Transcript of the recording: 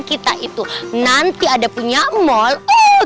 kita itu nanti ada punya mall